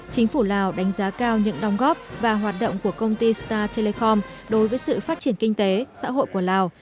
chính phủ lào đánh giá cao những đồng góp và hoạt động của công ty star telecom đối với sự phát triển kinh tế xã hội của lào